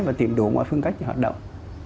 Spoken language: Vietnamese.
và tìm đủ mọi phương cách hoạt động